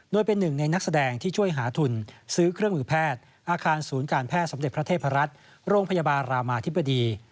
โดยเป็นหนึ่งในนักแสดงที่ช่วยหาทุนซื้อเครื่องมือแพทย์อาคารศูนย์การแพทย์สมเด็จพระเทพรัฐโรงพยาบาลรามาธิบดี